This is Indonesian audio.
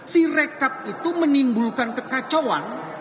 si rekap itu menimbulkan kekacauan